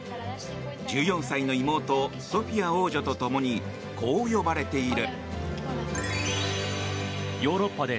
１４歳の妹ソフィア王女と共にこう呼ばれている。